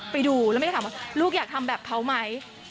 ไปดูแล้วไม่ได้ถามว่าลูกอยากทำแบบเขาไหม